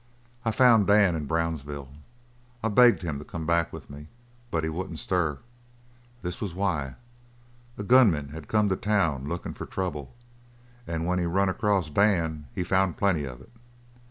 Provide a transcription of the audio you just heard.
I found Dan in Brownsville. I begged him to come back with me, but he wouldn't stir. This was why: A gunman had come to the town lookin' for trouble, and when he run acrost Dan he found plenty of it.